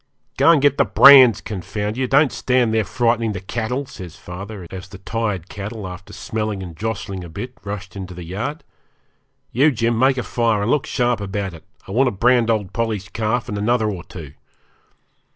'Go and get the brands confound you don't stand there frightening the cattle,' says father, as the tired cattle, after smelling and jostling a bit, rushed into the yard. 'You, Jim, make a fire, and look sharp about it. I want to brand old Polly's calf and another or two.'